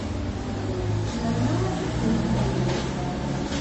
Yerna ad cfun fell-i.